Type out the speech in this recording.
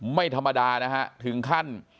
ไม่ธรรมดานะฮะถึงขั้น